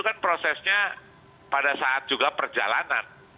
dan prosesnya pada saat juga perjalanan